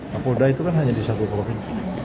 kapolda itu kan hanya di satu provinsi